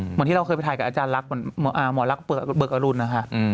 เหมือนที่เราเคยไปถ่ายกับอาจารย์ลักษณ์หมอลักษณ์เบิกอรุณนะคะ